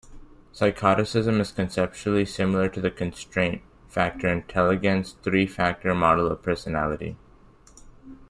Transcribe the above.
Psychoticism is conceptually similar to the "constraint" factor in Tellegen's three-factor model of personality.